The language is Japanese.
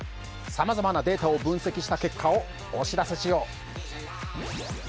さまざまなデータを分析した結果をお知らせしよう。